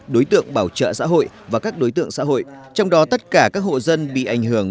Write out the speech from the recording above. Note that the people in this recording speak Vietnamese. đối tượng bảo trợ xã hội và các đối tượng xã hội trong đó tất cả các hộ dân bị ảnh hưởng